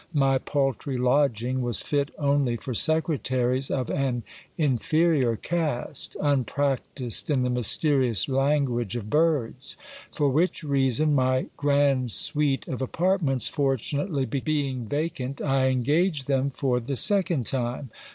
My paltry lodging was fit only for secretaries of an inferior cast, unpractised in the mysterious language of birds ; for which reason, my grand suite of apartments fortunately being vacant, I engaged them for the second time.